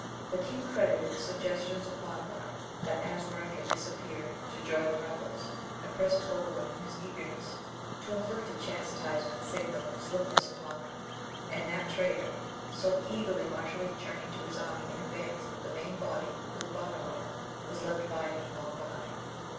The King credited the suggestions of Bhanavar, that Aswarak had disappeared to join the rebels, and pressed forward in his eagerness to inflict a chastisement signal in swiftness upon them and that traitor; so eagerly Mashalleed journeyed to his army in advance, that the main body, with Bhanavar, was left by him long behind.